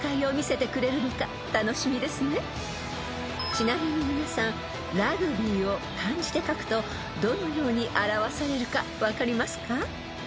［ちなみに皆さんラグビーを漢字で書くとどのように表されるか分かりますか？］